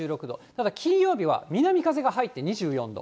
ただ金曜日は南風が入って２４度。